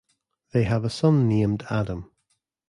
They have a son named Adam.